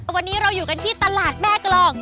วันนี้เราอยู่กันที่ตลาดแม่กลอง